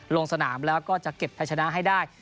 ลงสนามแล้วก็จะเก็บไทยชนะให้ได้